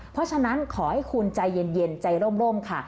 เพราะฉะนั้นขอให้คุณใจเย็นใจร่มค่ะ